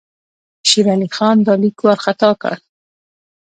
شېر علي خان دا لیک وارخطا کړ.